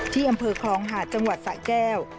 ที่อำเภอคลองหาดจังหวัดสะแก้ว